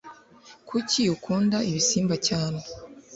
Kuki ukunda ibisimba cyane?